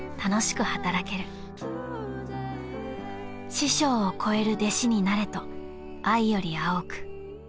［師匠を超える弟子になれと藍より青く］